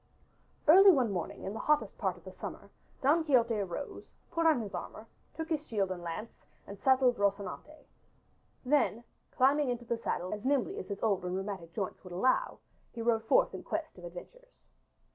Early one morning in the hottest part of the summer Don Quixote arose, put on his armor, took his shield and lance and saddled Rocinante. Then, climbing into the saddle as nimbly as his old and rheumatic joints would allow, he rode forth in quest of adventures.